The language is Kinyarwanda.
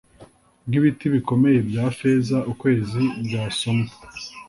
nkibiti bikomeye bya feza. ukwezi kwasomwe,